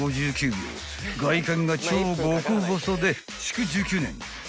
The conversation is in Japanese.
［外観が超極細で築１９年］